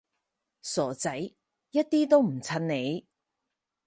傻仔，一啲都唔襯你